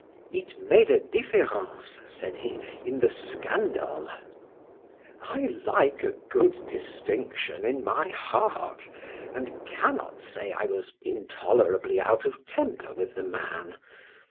—It made a difference, he said, in the scandal.—I like a good distinction in my heart; and cannot say I was intolerably out of temper with the man.